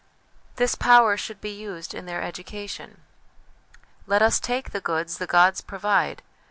This Power should be used in their Education. Let us take the goods the gods provide.